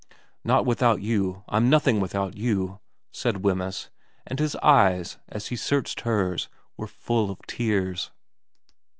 ' Not without you. I'm nothing without you,' said Wemyss ; and his eyes, as he searched hers, were full of tears.